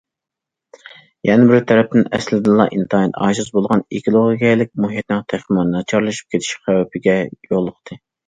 يەنە بىر تەرەپتىن، ئەسلىدىنلا ئىنتايىن ئاجىز بولغان ئېكولوگىيەلىك مۇھىتىنىڭ تېخىمۇ ناچارلىشىپ كېتىش خەۋپىگە يولۇقتى.